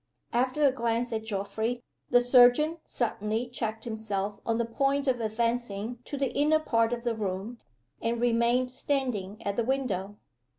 After a glance at Geoffrey, the surgeon suddenly checked himself on the point of advancing to the inner part of the room, and remained standing at the window.